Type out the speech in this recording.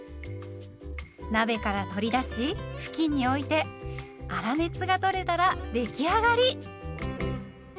鍋から取り出し布巾に置いて粗熱がとれたら出来上がり。